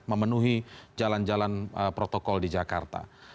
memenuhi jalan jalan protokol di jakarta